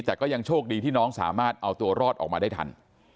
แต่ก็ยังโชคดีที่น้องสามารถเอาตัวรอดออกมาได้ทัน